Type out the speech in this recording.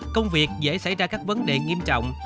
công việc dễ xảy ra các vấn đề nghiêm trọng